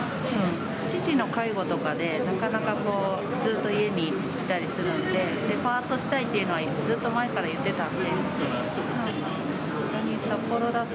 父の介護とかで、なかなかこう、ずっと家にいたりするので、ぱーっとしたいというのは、ずっと前から言ってたので、札幌だと。